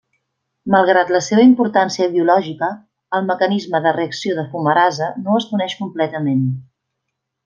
Malgrat la seva importància biològica, el mecanisme de reacció de fumarasa no es coneix completament.